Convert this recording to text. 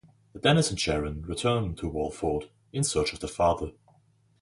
Dennis and Sharon return to Walford in search of their father.